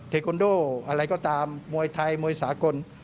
เทควันโดอะไรก็ตามมวยไทยมวยสากล